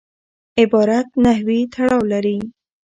عبارت نحوي تړاو لري.